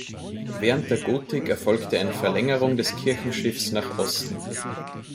Während der Gotik erfolgte eine Verlängerung des Kirchenschiffs nach Osten.